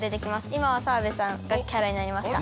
今澤部さんがキャラになりました。